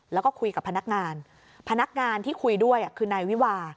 แล้วก็คุยกับพนักงานพนักงานที่คุยด้วยคือนายวิวา